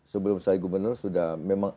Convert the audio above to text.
sebelum saya gubernur sudah memang